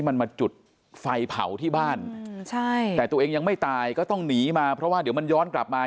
มันมาจุดไฟเผาที่บ้านแต่ตัวเองยังไม่ตายก็ต้องหนีมาเพราะว่าเดี๋ยวมันย้อนกลับมา